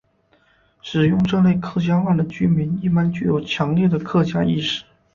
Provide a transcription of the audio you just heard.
使用这类客家话的居民一般具有强烈的客家意识。